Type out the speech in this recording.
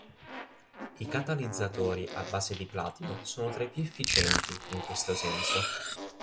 I catalizzatori a base di platino sono tra i più efficienti in questo senso.